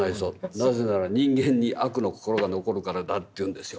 なぜなら人間に悪の心が残るからだ」って言うんですよ。